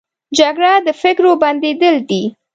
جګړه د فکرو بندېدل دي